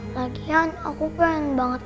lagian aku pengen banget